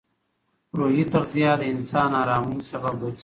روحي تغذیه د انسان ارامۍ سبب ګرځي.